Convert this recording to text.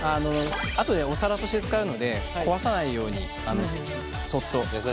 あとでお皿として使うので壊さないようにそっと。